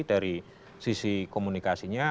dari sisi komunikasinya